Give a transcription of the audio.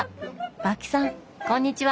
和氣さんこんにちは！